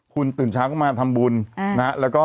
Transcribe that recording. คุณตื่นช้าคุณก็มาทำบุญนะและก็